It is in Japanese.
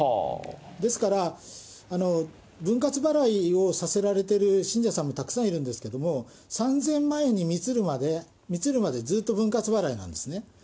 ですから、分割払いをさせられてる信者さんもたくさんいるんですけれども、３０００万円にみつるまで、ずっと分割払いなんですね。